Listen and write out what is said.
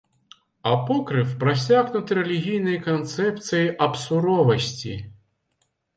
Апокрыф прасякнуты рэлігійнай канцэпцыяй аб суровасці.